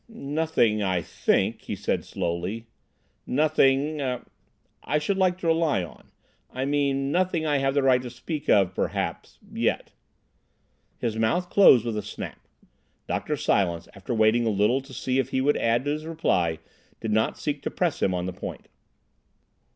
"Nothing, I think," he said slowly, "nothing—er—I should like to rely on. I mean nothing I have the right to speak of, perhaps—yet." His mouth closed with a snap. Dr. Silence, after waiting a little to see if he would add to his reply, did not seek to press him on the point.